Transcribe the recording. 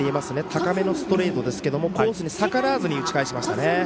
高めのストレートですけどコースに逆らわずに打ち返しましたね。